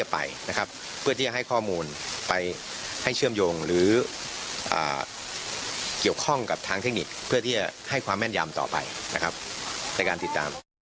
เพื่อที่จะให้ความแม่นยามต่อไปนะครับในการติดตาม